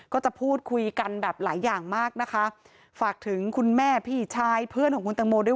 ก็จะพูดคุยกันแบบหลายอย่างมากนะคะฝากถึงคุณแม่พี่ชายเพื่อนของคุณตังโมด้วย